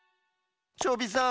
チョビさん。